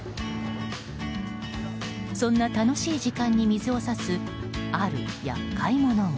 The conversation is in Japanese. そんな楽しい時間に水を差すある厄介者が。